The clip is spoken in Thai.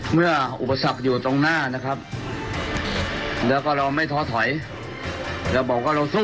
อุปสรรคอยู่ตรงหน้านะครับแล้วก็เราไม่ท้อถอยเราบอกว่าเราสู้